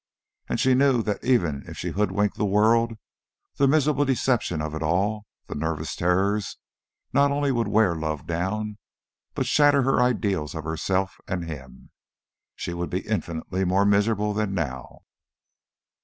And she knew that even if she hoodwinked the world, the miserable deception of it all, the nervous terrors, not only would wear love down, but shatter her ideals of herself and him. She would be infinitely more miserable than now.